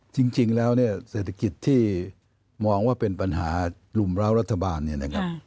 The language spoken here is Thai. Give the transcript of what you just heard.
จริงแล้วเนี่ยเศรษฐกิจที่มองว่าเป็นปัญหาหลุมร้าวรัฐบาลเนี่ยนะครับ